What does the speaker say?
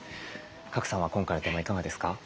賀来さんは今回のテーマいかがですか？